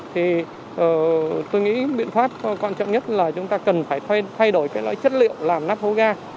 thì tôi nghĩ biện pháp quan trọng nhất là chúng ta cần phải thay đổi cái loại chất liệu làm nắp hố ga